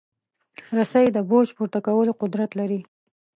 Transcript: رسۍ د بوج پورته کولو قدرت لري.